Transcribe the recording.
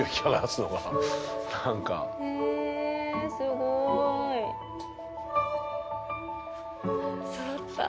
えすごい。そろった。